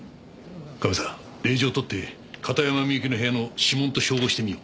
カメさん令状とって片山みゆきの部屋の指紋と照合してみよう。